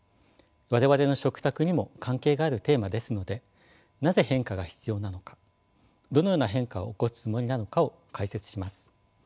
我々の食卓にも関係があるテーマですのでなぜ変化が必要なのかどのような変化を起こすつもりなのかを解説します。